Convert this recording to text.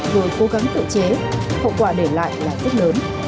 rồi cố gắng tự chế hậu quả để lại là rất lớn